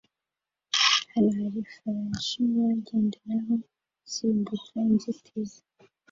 Hano hari ifarashi nuwagenderaho asimbuka inzitizi